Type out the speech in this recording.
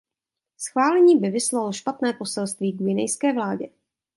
Schválení by vyslalo špatné poselství guinejské vládě.